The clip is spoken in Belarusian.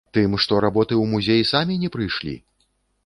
Тым, што работы ў музей самі не прыйшлі?